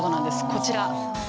こちら。